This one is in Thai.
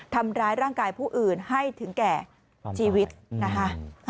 ทำร้ายร่างกายผู้อื่นให้ถึงแก่ชีวิตนะคะ